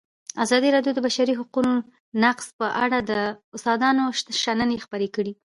ازادي راډیو د د بشري حقونو نقض په اړه د استادانو شننې خپرې کړي.